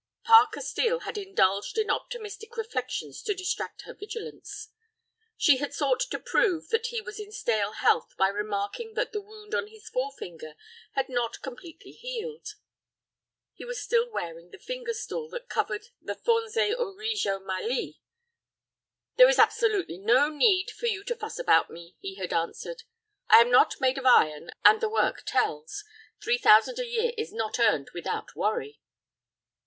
Parker Steel had indulged in optimistic reflections to distract her vigilance. She had sought to prove that he was in stale health by remarking that the wound on his forefinger had not completely healed. He was still wearing the finger stall that covered the fons et origo mali. "There is absolutely no need for you to fuss about me," he had answered; "I am not made of iron, and the work tells. Three thousand a year is not earned without worry."